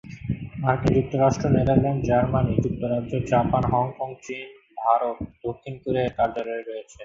মার্কিন যুক্তরাষ্ট্র, Netherlands, Germany, যুক্তরাজ্য, জাপান, হংকং, চীন, ভারত, দক্ষিণ কোরিয়ায় এর কার্যালয় রয়েছে।